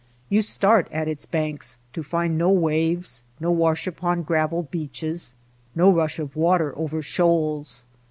You start at its banks to find no waves, no wash upon gravel beaches, no rush of water over shoals.